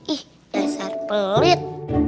ih dasar pelit